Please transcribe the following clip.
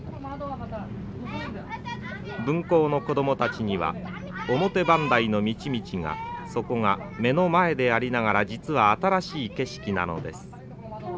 分校の子どもたちには表磐梯の道々がそこが目の前でありながら実は新しい景色なのです。